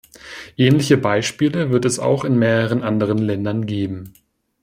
Ähnliche Beispiele wird es auch in mehreren anderen Ländern geben.